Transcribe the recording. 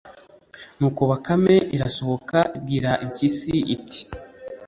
nuko bakame irasohoka ibwira impyisi iti: